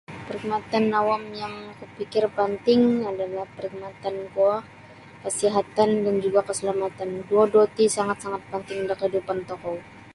Perkhidmatan awam yang kufikir panting adalah perkhidmatan kuo kasihatan dan juga keselamatan duo-duo ti sangat-sangat panting da kaidupan tokou.